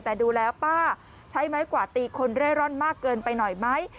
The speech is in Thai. แต่ดูแล้วป้าใช้ไม้กวาดตีคนเร่ร่อนมากเกินไปหน่อยไหม